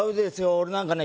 俺なんかね